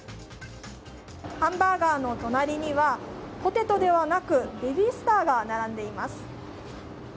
ハンバーガーの隣にはポテトではなくベビースターが並んでいます。